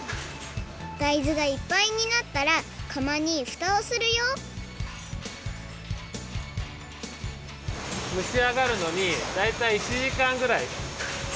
大豆がいっぱいになったらかまにふたをするよむしあがるのにだいたい１じかんぐらいかかります。